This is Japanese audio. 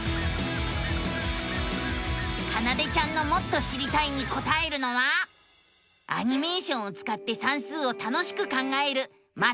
かなでちゃんのもっと知りたいにこたえるのはアニメーションをつかって算数を楽しく考える「マテマティカ２」。